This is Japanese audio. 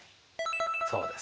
そうです。